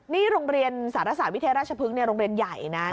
นี่โรงเรียนสารศาสตร์วิเทศราชพฤกษ์โรงเรียนใหญ่นะ